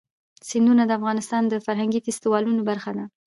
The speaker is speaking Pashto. سیندونه د افغانستان د فرهنګي فستیوالونو برخه ده.